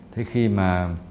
thế khi mà